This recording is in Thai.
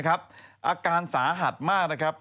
อาการสาหัสมากนะครับ